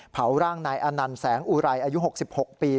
เผาร่างนายอนันต์แสงอุไรอายุ๖๖ปี